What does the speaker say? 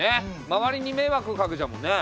周りに迷惑かけちゃうもんね。